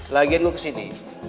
lagian gue ke sini